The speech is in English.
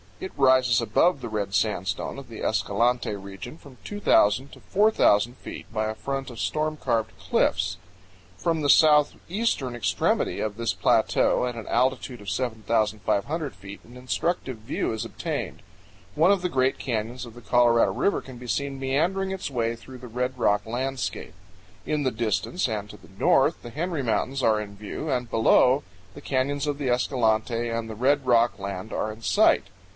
It rises above the red sandstone of the Escalante region from 2,000 to 4,000 feet by a front of storm carved cliffs. From the southeastern extremity of this plateau, at an altitude of 7,500 feet, an instructive view is obtained. One of the great canyons of the Colorado River can be seen meandering its way through the red rock landscape. In the distance, and to the north, the Henry Mountains are in view, and below, the canyons of the Escalante and the red rock land are in sight.